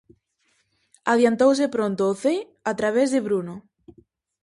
Adiantouse pronto o Cee a través de Bruno.